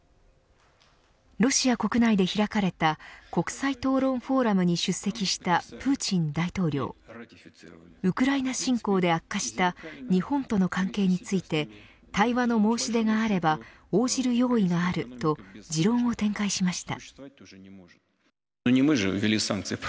ロシア国内で開かれた国際討論フォーラムに出席したプーチン大統領ウクライナ侵攻で悪化した日本との関係について対話の申し出があれば応じる用意があると持論を展開しました。